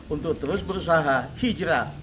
untuk terus berusaha hijrah